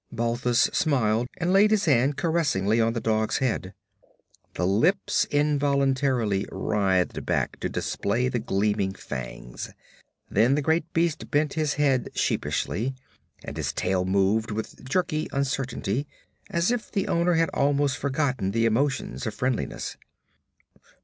Balthus smiled and laid his hand caressingly on the dog's head. The lips involuntarily writhed back to display the gleaming fangs; then the great beast bent his head sheepishly, and his tail moved with jerky uncertainty, as if the owner had almost forgotten the emotions of friendliness.